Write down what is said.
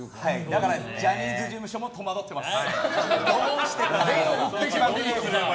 だからジャニーズ事務所も戸惑ってます。